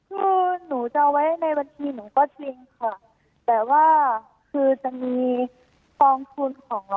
คือหนูจะเอาไว้ในบัญชีหนูก็จริงค่ะแต่ว่าคือจะมีกองทุนของเรา